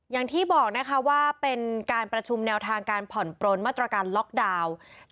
อย่างที่บอกนะคะว่าเป็นการประชุมแนวทางการผ่อนปลนมาตรการล็อกดาวน์